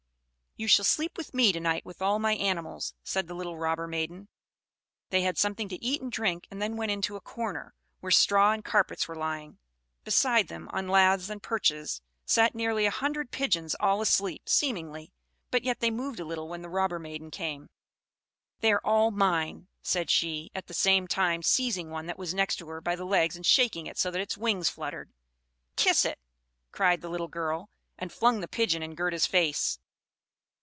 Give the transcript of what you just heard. "You shall sleep with me to night, with all my animals," said the little robber maiden. They had something to eat and drink; and then went into a corner, where straw and carpets were lying. Beside them, on laths and perches, sat nearly a hundred pigeons, all asleep, seemingly; but yet they moved a little when the robber maiden came. "They are all mine," said she, at the same time seizing one that was next to her by the legs and shaking it so that its wings fluttered. "Kiss it," cried the little girl, and flung the pigeon in Gerda's face.